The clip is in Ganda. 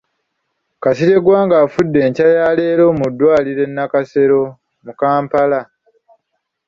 Kasirye Gwanga afudde enkya ya leero mu ddwaliro e Nakasero mu Kampala.